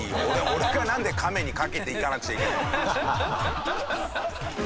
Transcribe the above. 俺がなんで「カメ」にかけていかなくちゃいけないのよ。